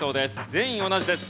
全員同じです。